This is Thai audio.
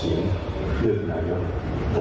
มีศิษย์ออกเสียงเริ่มถ้ายน